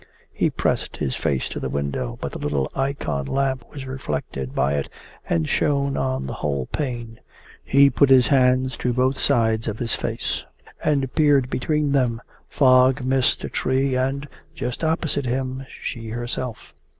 He pressed his face to the window, but the little icon lamp was reflected by it and shone on the whole pane. He put his hands to both sides of his face and peered between them. Fog, mist, a tree, and just opposite him she herself.